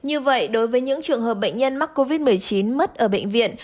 như vậy đối với những trường hợp bệnh nhân mắc covid một mươi chín mất ở bệnh viện